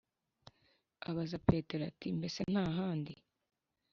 aaaabaza petero ati mbese ntahandi?